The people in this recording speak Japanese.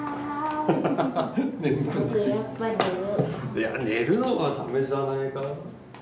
いや寝るのは駄目じゃないかな。